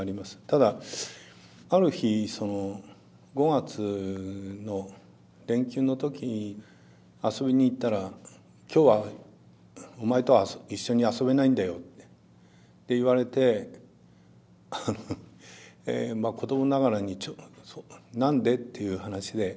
ただある日その５月の連休の時遊びに行ったら「今日はお前とは一緒に遊べないんだよ」って言われて子どもながらになんで？っていう話で。